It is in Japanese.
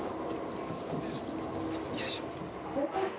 よいしょ。